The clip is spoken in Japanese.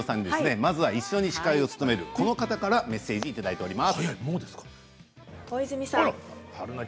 まずは一緒に司会を務めるこの方からメッセージをいただいています。